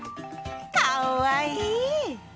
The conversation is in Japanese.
かっわいい！